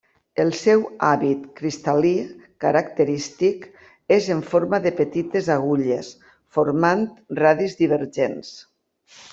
El seu hàbit cristal·lí característic és en forma de petites agulles formant radis divergents.